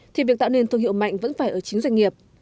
thì việc tạo nên thương hiệu mạnh vẫn phải ở chính doanh nghiệp